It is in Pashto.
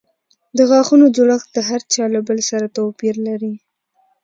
د غاښونو جوړښت د هر چا له بل سره توپیر لري.